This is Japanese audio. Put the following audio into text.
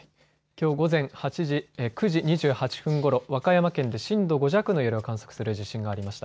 きょう午前９時２８分ごろ、和歌山県で震度５弱の揺れを観測する地震がありました。